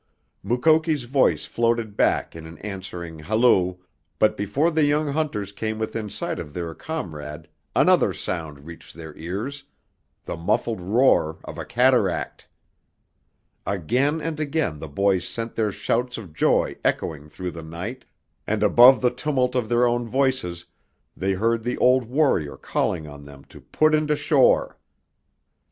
Mukoki's voice floated back in an answering halloo, but before the young hunters came within sight of their comrade another sound reached their ears, the muffled roar of a cataract! Again and again the boys sent their shouts of joy echoing through the night, and above the tumult of their own voices they heard the old warrior calling on them to put into shore.